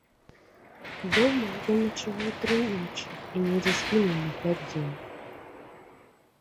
Дома ён начаваў тры ночы і недзе згінуў на пяць дзён.